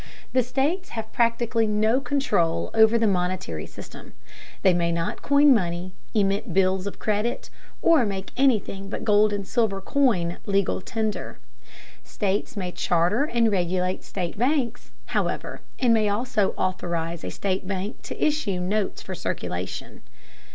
The states have practically no control over the monetary system. They may not coin money, emit bills of credit, or make anything but gold and silver coin legal tender. States may charter and regulate state banks, however, and may also authorize a state bank to issue notes for circulation.